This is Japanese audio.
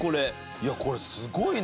いやこれすごいな。